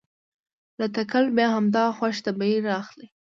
له تکل بیا همدا خوش طبعي رااخلي.